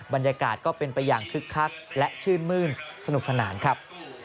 บรรยากาศก็เป็นไปอย่างคึกคักและชื่นมื้นสนุกสนานครับ